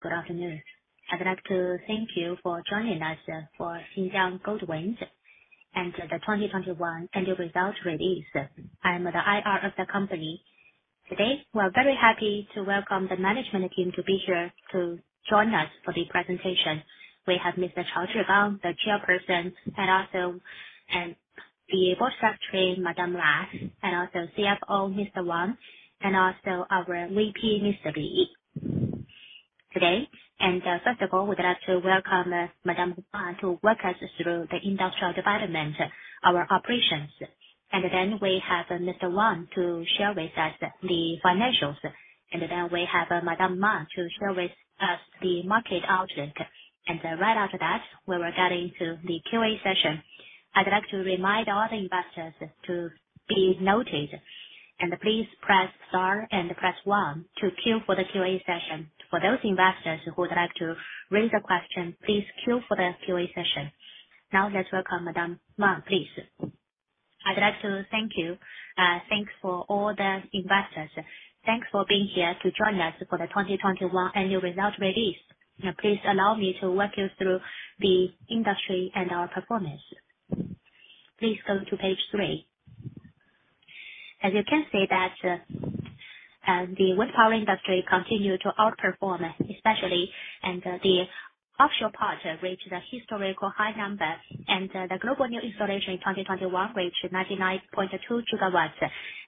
Good afternoon. I'd like to thank you for joining us for Xinjiang Goldwind and the 2021 annual result release. I'm the IR of the company. Today, we're very happy to welcome the management team to be here to join us for the presentation. We have Mr. Cao Zhigang, the Chairperson, and also the Board Secretary, Madam Ma, and also CFO, Mr. Wang, and also our VP, Mr. Liu. Today, first of all, we'd like to welcome Madam Ma to walk us through the industrial development, our operations. Then we have Mr. Wang to share with us the financials. Then we have Madam Ma to share with us the market outlook. Right after that, we will get into the Q&A session. I'd like to remind all investors to be noted, and please press star and press one to queue for the Q&A session. For those investors who would like to raise a question, please queue for the Q&A session. Now let's welcome Madam Ma, please. I'd like to thank you. Thanks to all the investors. Thanks for being here to join us for the 2021 annual results release. Now, please allow me to walk you through the industry and our performance. Please go to page 3. As you can see, the wind power industry continued to outperform especially, and the offshore part reached a historical high number. The global new installation in 2021 reached 99.2 GW,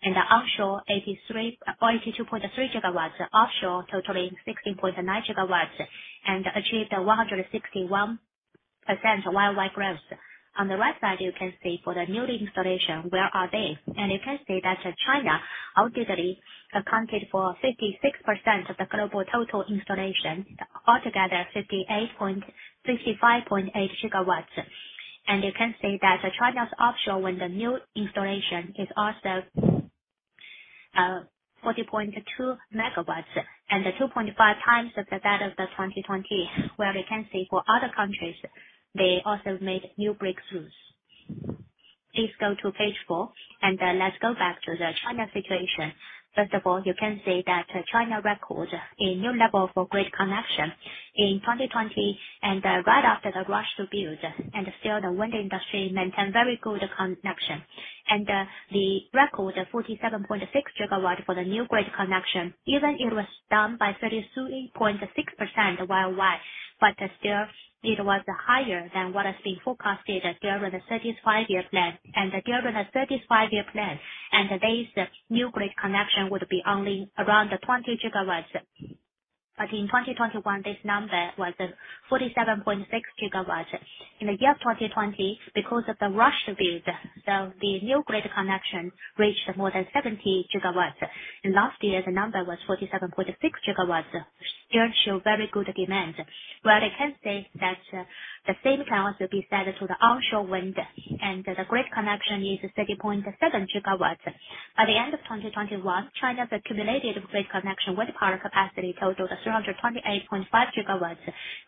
and the onshore 82.3 GW, offshore totaling 16.9 GW, and achieved 161% year-over-year growth. On the right side, you can see for the new installation, where are they? You can see that China ultimately accounted for 56% of the global total installation. Altogether, 55.8 GW. You can see that China's offshore wind new installation is also 40.2 MW and 2.5 times of that of the 2020, where we can see for other countries, they also made new breakthroughs. Please go to page 4, and then let's go back to the China situation. First of all, you can see that China records a new level for grid connection in 2020. Right after the rush to build, and still the wind industry maintained very good connection. The record of 47.6 GW for the new grid connection, even it was down by 32.6% year-over-year. Still, it was higher than what is being forecasted during the 13th Five-Year Plan. During the 13th Five-Year Plan, this new grid connection would be only around 20 GW. In 2021, this number was 47.6 GW. In the year 2020, because of the rush to build, the new grid connection reached more than 70 GW. In last year, the number was 47.6 GW, still show very good demand. Where they can say that, the same patterns will be set to the onshore wind, and the grid connection is 30.7 GW. By the end of 2021, China's accumulated grid connection wind power capacity totaled to 328.5 GW,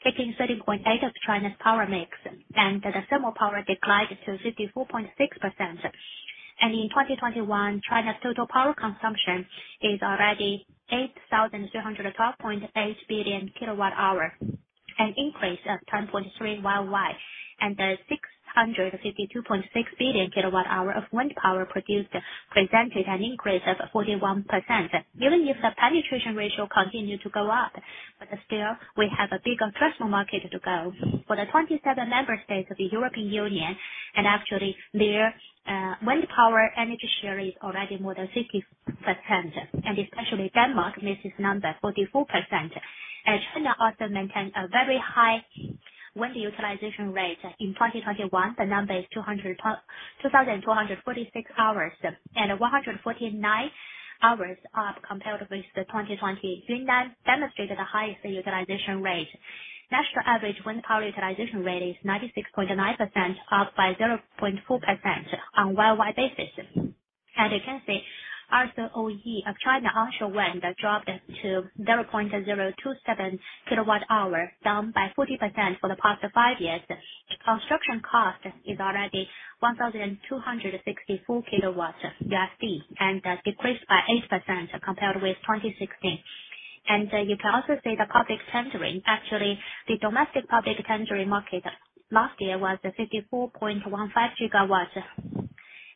taking 13.8% of China's power mix, and the thermal power declined to 54.6%. In 2021, China's total power consumption is already 8,312.8 billion kWh, an increase of 10.3% year-over-year. The 652.6 billion kWh of wind power produced presented an increase of 41%. Even if the penetration ratio continued to go up, but still, we have a bigger threshold market to go. For the 27 member states of the European Union, actually their wind power energy share is already more than 60%, and especially Denmark makes this number 44%. China also maintained a very high wind utilization rate. In 2021, the number is 2,246 hours and 149 hours up compared with the 2020. Xinjiang demonstrated the highest utilization rate. National average wind power utilization rate is 96.9%, up by 0.4% on year-on-year basis. As you can see, LCOE of China onshore wind dropped to 0.027 kWh, down by 40% for the past five years. Construction cost is already $1,264/kW, and that's decreased by 8% compared with 2016. You can also see the public tendering. Actually, the domestic public tendering market last year was 54.15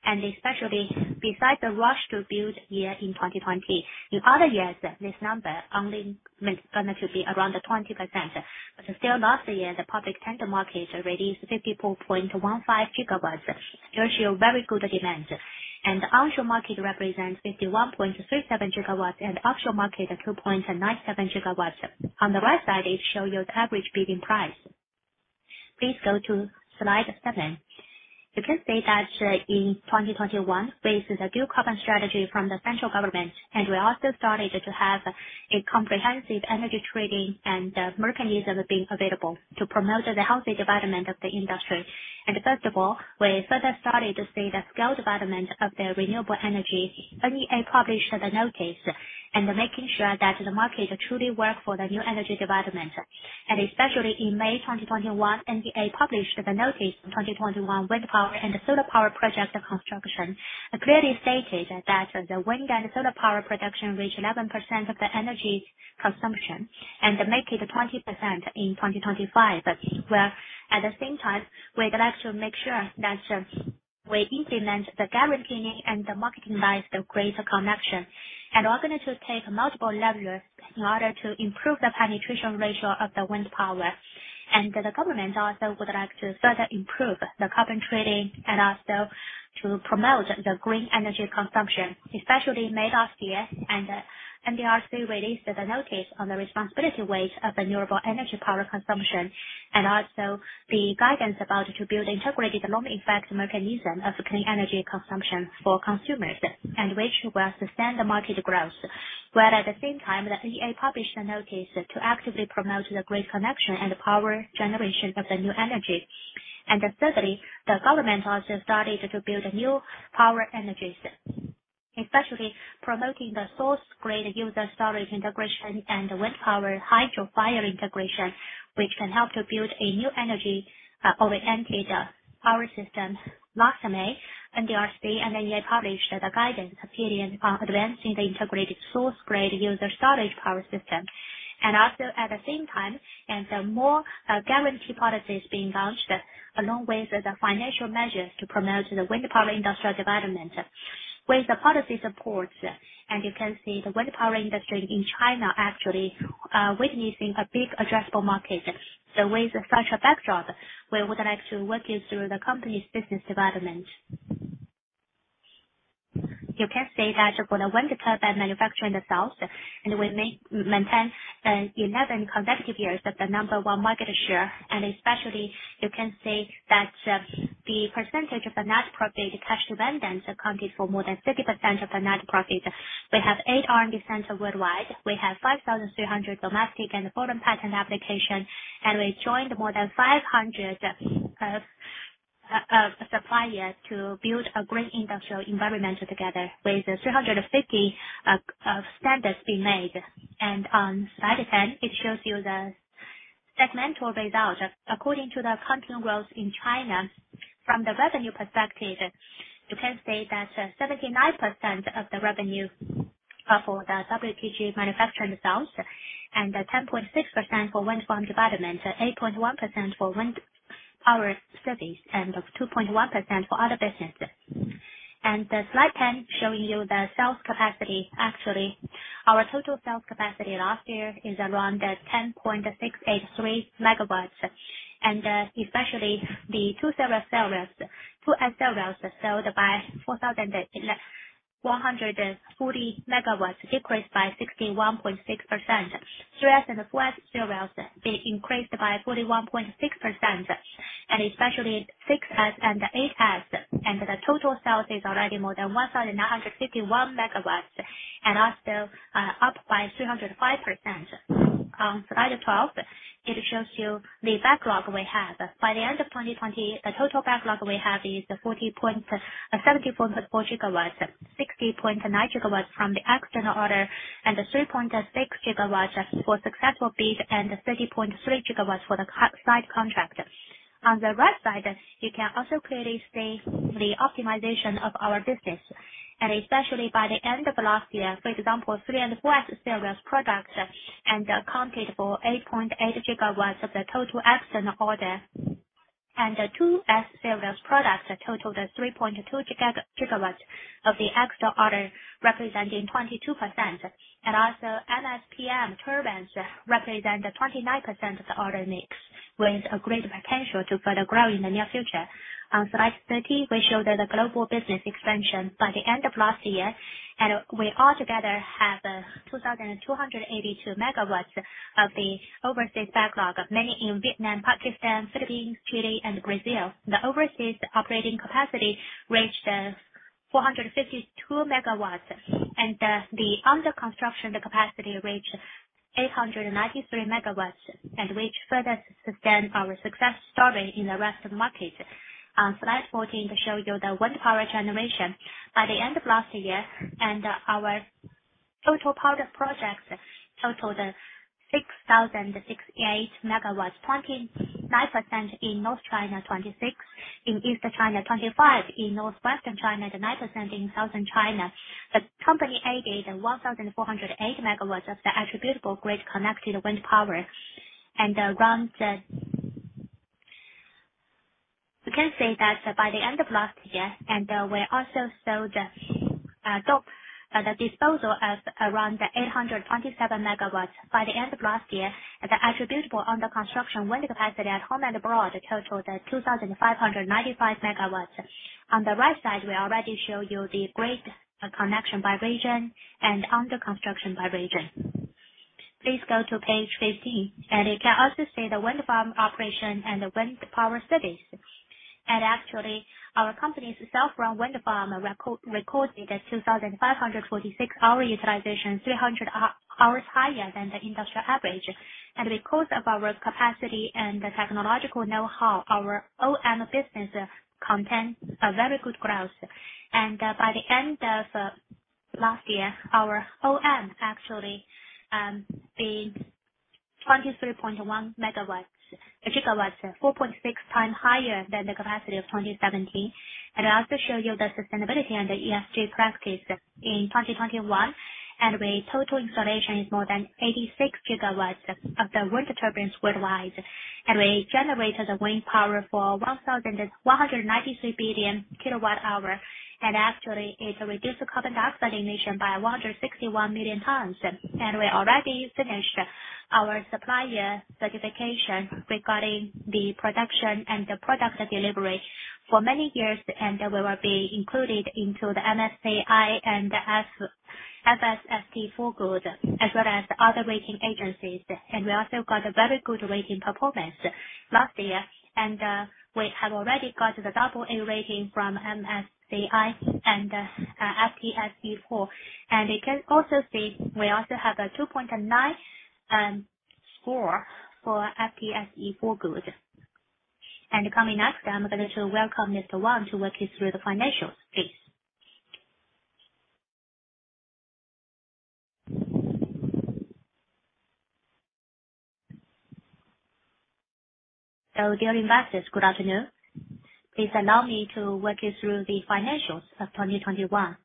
GW. Especially besides the rush to build year in 2020, in other years, this number only meant to be around 20%. Still last year, the public tender market released 54.15 GW still show very good demand. The onshore market represents 51.37 GW and offshore market at 2.97 GW. On the right side, it shows you average bidding price. Please go to slide 7. You can see that in 2021, based on the dual carbon strategy from the central government, and we also started to have a comprehensive energy trading and mechanism being available to promote the healthy development of the industry. First of all, we further started to see the scale development of the renewable energy. NEA published a notice, making sure that the market truly work for the new energy development. Especially in May 2021, NDRC published the notice of 2021 wind power and solar power project construction, and clearly stated that the wind and solar power production reach 11% of the energy consumption and make it 20% in 2025. We're at the same time we'd like to make sure that we implement the guaranteeing and the marketing by the grid connection. We're gonna take multiple levels in order to improve the penetration ratio of the wind power. The government also would like to further improve the carbon trading and also to promote the green energy consumption. Especially last year NDRC released the notice on the responsibility weight of renewable energy power consumption, and also the guidance about to build integrated long-term effective mechanism of clean energy consumption for consumers, which will sustain the market growth. At the same time, the NEA published a notice to actively promote the grid connection and power generation of the new energy. Thirdly, the government also started to build new power energies, especially promoting the source-grid-load-storage integration and wind-solar-hydro-thermal integration, which can help to build a new energy-oriented power system. Last May, NDRC and NEA published the guidance opinion on advancing the integrated source-grid-load-storage power system. Also at the same time, more guarantee policies being launched along with the financial measures to promote the wind power industrial development. With the policy support, you can see the wind power industry in China actually witnessing a big addressable market. With such a backdrop, we would like to walk you through the company's business development. You can see that for the wind turbine manufacturing itself, we maintain the 11th consecutive years of the number one market share, and especially you can see that the percentage of the net profit, the cash dividends accounted for more than 50% of the net profit. We have 8 R&D centers worldwide. We have 5,300 domestic and foreign patent applications, and we joined more than 500 suppliers to build a great industrial environment together with 350 standards being made. On slide 10, it shows you the segmental result according to the continued growth in China. From the revenue perspective, you can see that 79% of the revenue are for the WTG manufacturing itself and 10.6% for wind farm development, 8.1% for wind power service, and 2.1% for other businesses. The slide 10 showing you the sales capacity. Actually, our total sales capacity last year is around 10.683 MW. Especially the two series turbines, 2S turbines sold 4,140 MW decreased by 61.6%. 3S and 4S turbines, they increased by 41.6%. Especially 6S and 8S, and the total sales is already more than 1,951 MW and also up by 305%. On slide 12, it shows you the backlog we have. By the end of 2020, the total backlog we have is 74.4 GW, 60.9 GW from the external order, and 3.6 GW for successful bid, and 30.3 GW for the site contract. On the right side, you can also clearly see the optimization of our business, and especially by the end of last year, for example, 3S and 4S various products accounted for 8.8 GW of the total external order. 2S various products totaled 3.2 GW of the external order, representing 22%. Also MSPM turbines represent 29% of the order mix with a great potential to further grow in the near future. On Slide 13, we show the global business expansion. By the end of last year, and we all together have 2,282 MW of the overseas backlog, mainly in Vietnam, Pakistan, Philippines, Chile and Brazil. The overseas operating capacity reached 452 MW, and, the under-construction capacity reached 893 MW, and which further sustain our success story in the rest of market. On slide 14, we show you the wind power generation. By the end of last year and our total power projects totaled 6,068 MW, 29% in North China, 26% in East China, 25% in Northwestern China, and 9% in Southern China. The company added 1,408 MW of the attributable grid-connected wind power and around the... We can say that by the end of last year, and we also sold the disposal of around 827 MW. By the end of last year, the attributable under-construction wind capacity at home and abroad totaled 2,595 MW. On the right side, we already show you the grid connection by region and under-construction by region. Please go to page 15. You can also see the wind farm operation and the wind power service. Actually, our company's self-run wind farm recording a 2,546-hour utilization, 300 hours higher than the industrial average. Because of our capacity and the technological know-how, our O&M business contains a very good growth. By the end of last year, our O&M actually being 23.1 GW, 4.6 times higher than the capacity of 2017. I also show you the sustainability and the ESG practice in 2021. With total installation is more than 86 GW of the wind turbines worldwide. We generated the wind power for 1,193 billion kWh. Actually it reduced the carbon dioxide emission by 161 million tons. We already finished our supplier certification regarding the production and the product delivery for many years, and they will be included into the MSCI and S&P for good, as well as other rating agencies. We also got a very good rating performance last year, and we have already got the AA rating from MSCI and FTSE4Good. You can also see we also have a 2.9 score for FTSE4Good. Coming next, I'm going to welcome Mr. Wang to walk you through the financials. Please. Hello, dear investors, good afternoon. Please allow me to walk you through the financials of 2021.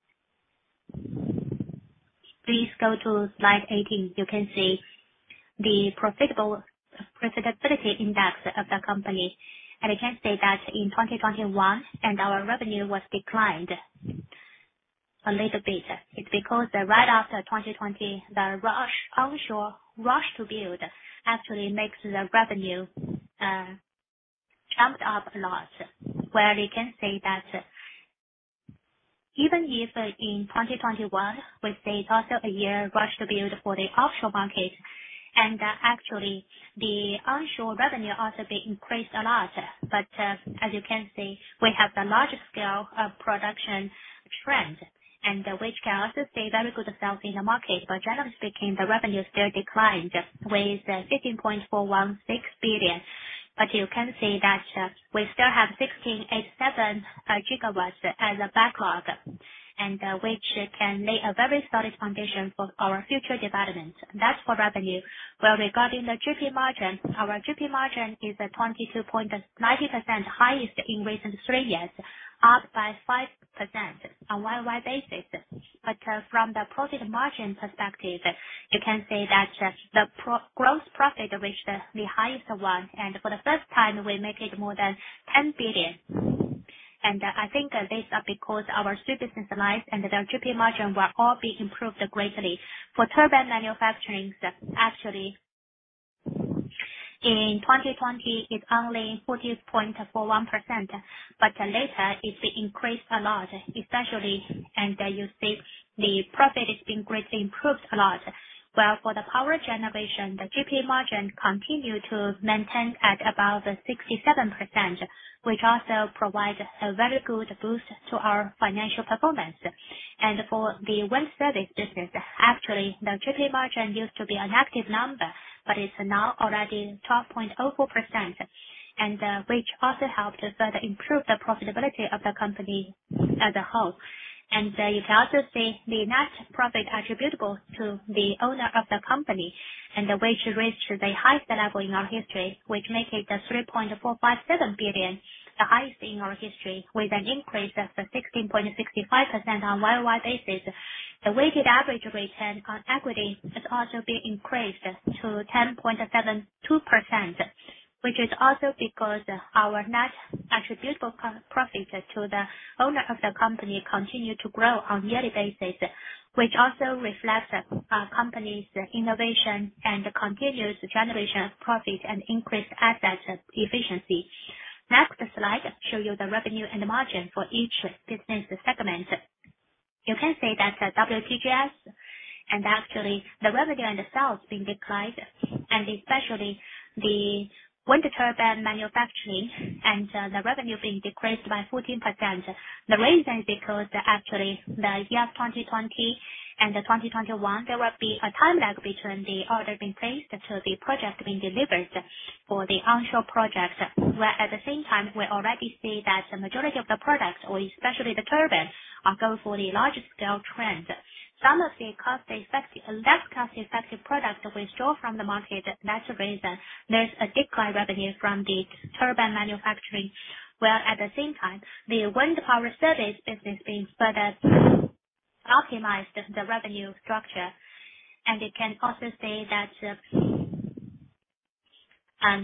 Please go to slide 18. You can see the profitability index of the company. I can say that in 2021 our revenue declined a little bit. It's because right after 2020, the onshore rush to build actually makes the revenue jumped up a lot. We can say that even if in 2021 we stayed also a year rush to build for the offshore market, and actually the onshore revenue also being increased a lot. As you can see, we have the larger scale of production trend and which can also stay very good itself in the market. Generally speaking, the revenue still declined with 16.416 billion. You can see that we still have 16.87 GW as a backlog, and which can lay a very solid foundation for our future development. That's for revenue. Well, regarding the GP margin, our GP margin is at 22.90%, highest in recent three years, up by 5% on year-on-year basis. From the profit margin perspective, you can say that gross profit reached the highest one. For the first time, we make it more than 10 billion. I think this is because our business lines and their GP margin were all being improved greatly. For turbine manufacturing, actually, in 2020, it's only 40.41%, but later it increased a lot, especially. You see the profit has been greatly improved a lot. Well, for the power generation, the GP margin continue to maintain at about 67%, which also provides a very good boost to our financial performance. For the wind service business, actually the GP margin used to be a negative number, but it's now already 12.04%, and, which also helped us further improve the profitability of the company as a whole. You can also see the net profit attributable to the owner of the company and which reached the highest level in our history, which make it 3.457 billion, the highest in our history, with an increase of 16.65% on year-on-year basis. The weighted average return on equity has also been increased to 10.72%, which is also because our net attributable profit to the owner of the company continued to grow on yearly basis, which also reflects our company's innovation and continuous generation of profit and increased asset efficiency. Next slide shows you the revenue and the margin for each business segment. You can say that WTGs and actually the revenue and the sales being declined and especially the wind turbine manufacturing and the revenue being decreased by 14%. The reason is because actually the year of 2020 and 2021, there will be a time lag between the order being placed to the project being delivered for the onshore projects. Where at the same time, we already see that the majority of the products or especially the turbines, are going for the larger scale trend. Less cost-effective products withdraw from the market. That's the reason there's a decline in revenue from the turbine manufacturing. Well, at the same time, the wind power service business is being further optimized in the revenue structure. You can also see that.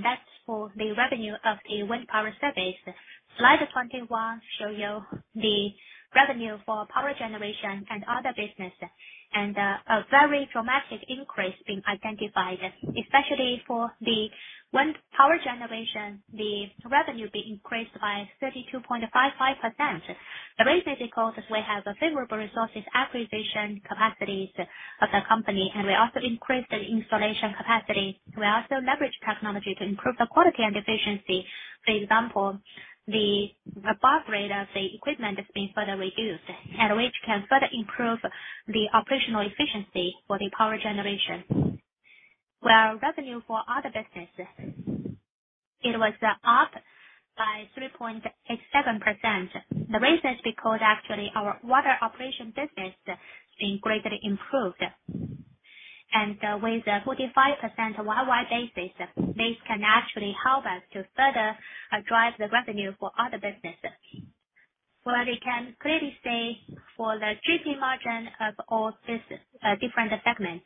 That's for the revenue of the wind power service. Slide 21 shows you the revenue for power generation and other business, and a very dramatic increase has been identified, especially for the wind power generation, the revenue has been increased by 32.55%. The reason is because we have a favorable resource acquisition capacity of the company, and we also increased the installation capacity. We also leverage technology to improve the quality and efficiency. For example, the above rate of the equipment has been further reduced and which can further improve the operational efficiency for the power generation. Well, revenue for other businesses, it was up by 3.87%. The reason is because actually our O&M operation business been greatly improved. With the 45% year-on-year basis, this can actually help us to further drive the revenue for other businesses. Well, we can clearly say for the GP margin of all different segments,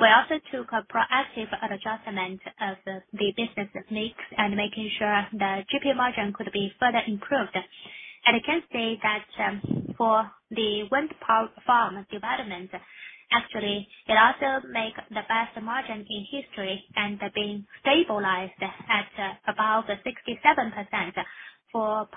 we also took a proactive adjustment of the business mix and making sure the GP margin could be further improved. You can see that for the wind power farm development, actually it also make the best margin in history and being stabilized at about 67%. For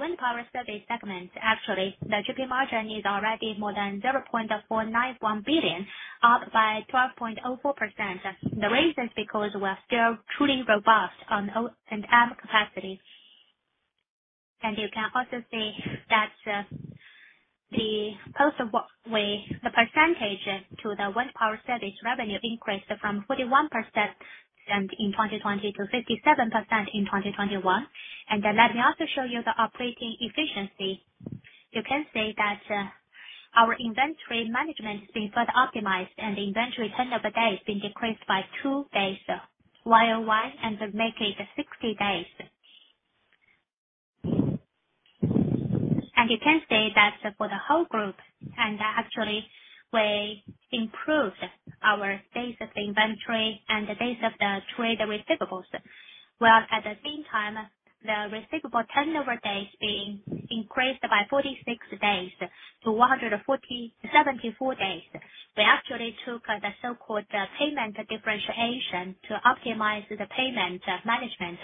wind power service segment, actually, the GP margin is already more than 0.491 billion, up by 12.04%. The reason is because we're still truly robust on O&M capacity. You can also see that the percentage to the wind power service revenue increased from 41% in 2020 to 57% in 2021. Let me also show you the operating efficiency. You can see that our inventory management has been further optimized and the inventory turnover days been decreased by two days year-on-year, and make it 60 days. You can see that for the whole group, actually we improved our days of inventory and the days of the trade receivables, while at the same time, the receivable turnover days being increased by 46 days to 174 days. We actually took the so-called payment differentiation to optimize the payment management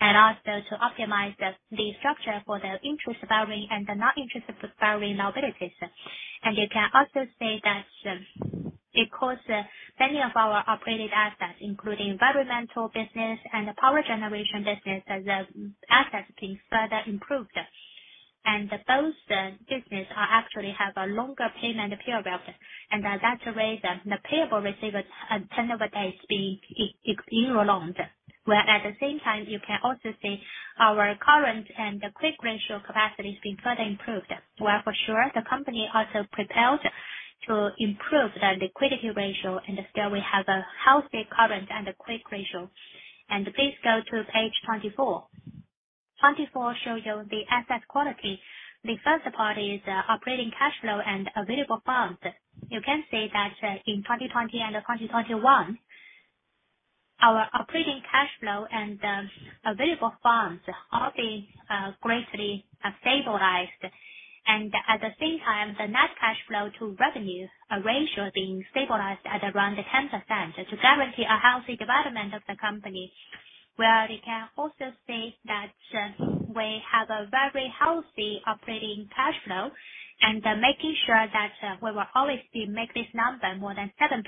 and also to optimize the structure for the interest bearing and the non-interest bearing liabilities. You can also see that, because many of our operating assets, including environmental business and the power generation business as assets been further improved. Both business are actually have a longer payment period, and that's the reason the payables turnover days being increased. While at the same time, you can also see our current and the quick ratio capacity has been further improved. Well, for sure, the company also prepared to improve the liquidity ratio and still we have a healthy current and a quick ratio. Please go to page 24. 24 shows you the asset quality. The first part is operating cash flow and available funds. You can see that in 2020 and 2021, our operating cash flow and available funds have been greatly stabilized. At the same time, the net cash flow to revenue ratio being stabilized at around 10% to guarantee a healthy development of the company. Where you can also see that we have a very healthy operating cash flow and making sure that we will always make this number more than 7%,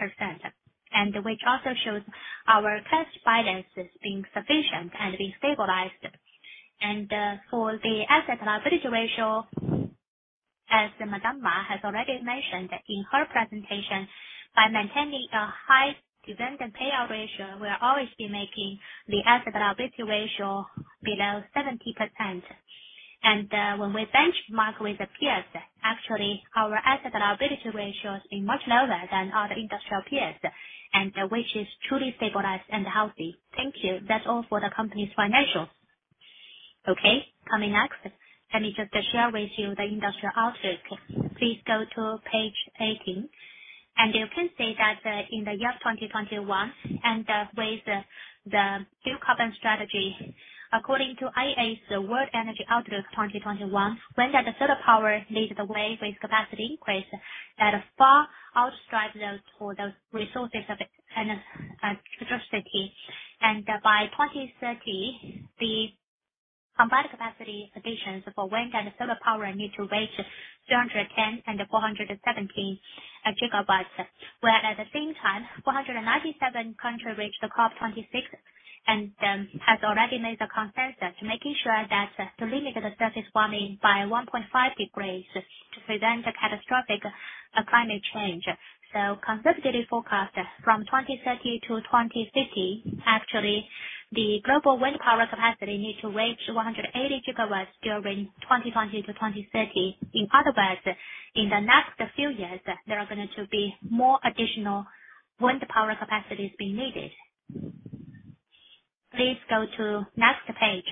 and which also shows our cash balances being sufficient and being stabilized. For the asset-liability ratio, as Madam Ma has already mentioned in her presentation, by maintaining a high dividend payout ratio, we are always be making the asset-liability ratio below 70%. When we benchmark with peers, actually our asset-liability ratio has been much lower than other industrial peers, and which is truly stabilized and healthy. Thank you. That's all for the company's financials. Okay. Coming next, let me just share with you the industrial outlook. Please go to page 18. You can see that, in the year 2021, with the dual carbon strategy, according to IEA's World Energy Outlook 2021, wind and solar power lead the way with capacity increase that far outstrips the resources of electricity. By 2030, the combined capacity additions for wind and solar power need to reach 210 and 417 GW, while at the same time, 497 countries reached the COP26 and has already made the consensus, making sure that to limit the surface warming by 1.5 degrees to prevent a catastrophic climate change. Conservatively forecast from 2030-2050, actually, the global wind power capacity need to reach 180 GW during 2020-2030. In other words, in the next few years, there are going to be more additional wind power capacities being needed. Please go to next page.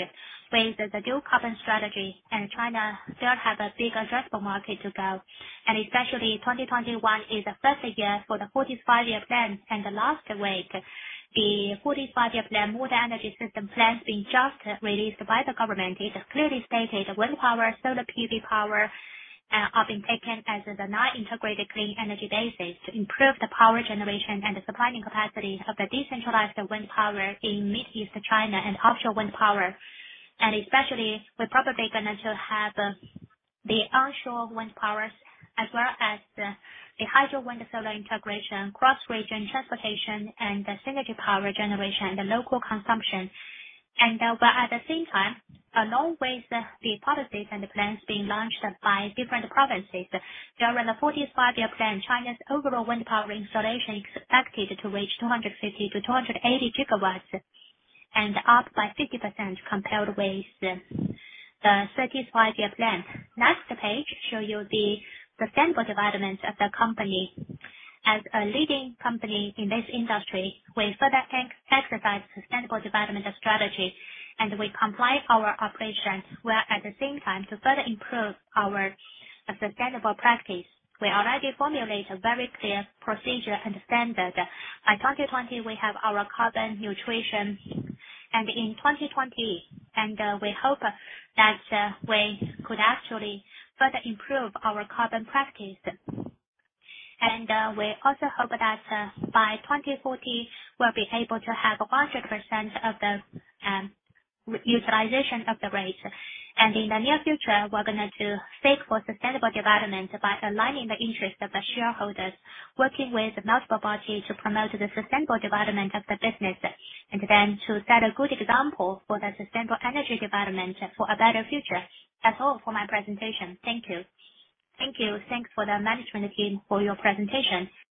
With the dual carbon strategy and China still have a big addressable market to go, and especially 2021 is the first year for the 14th Five-Year Plan. Last week, the 14th Five-Year Plan, more energy system plans being just released by the government. It has clearly stated wind power, solar PV power, are being taken as the non-integrated clean energy basis to improve the power generation and the supplying capacity of the decentralized wind power in Mid-East China and offshore wind power. Especially we're probably gonna have the onshore wind powers as well as the hydro wind solar integration, cross region transportation and the synergy power generation, the local consumption. But at the same time, along with the policies and the plans being launched by different provinces, during the 14th Five-Year Plan, China's overall wind power installation expected to reach 250-280 GW and up by 50% compared with the 13th Five-Year Plan. Next page show you the sustainable development of the company. As a leading company in this industry, we further exercise sustainable development strategy and we align our operations, while at the same time to further improve our sustainable practice. We already formulate a very clear procedure and standard. By 2020 we have our carbon neutral. In 2020, we hope that we could actually further improve our carbon practice. We also hope that by 2040 we'll be able to have 100% utilization rate. In the near future, we're gonna seek for sustainable development by aligning the interest of the shareholders, working with multiple parties to promote the sustainable development of the business. Then to set a good example for the sustainable energy development for a better future. That's all for my presentation, thank you. Thanks for the management team for your presentation.